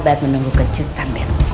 dia akan menunggu kejutan besok